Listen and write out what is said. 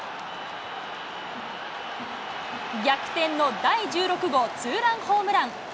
逆転の第１６号ツーランホームラン。